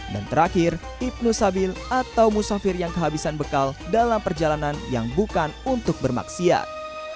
dan terakhir ibn sabil atau musafir yang kehabisan bekal dalam perjalanan yang bukan untuk bermaksiat